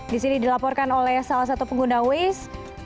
disini dilaporkan oleh salah satu pengguna waze